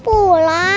aku mau ke rumah